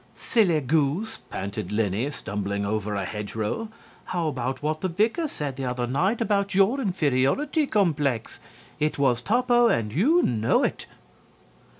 "'Silly goose,' panted Linny, stumbling over a hedgerow, 'how about what the vicar said the other night about your inferiority complex? It was toppo, and you know it.'